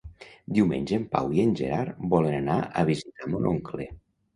Diumenge en Pau i en Gerard volen anar a visitar mon oncle.